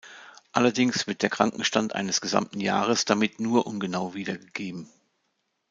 Allerdings wird der Krankenstand eines gesamten Jahres damit nur ungenau wiedergegeben.